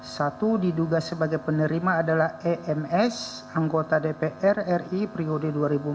satu diduga sebagai penerima adalah ems anggota dpr ri periode dua ribu empat belas dua ribu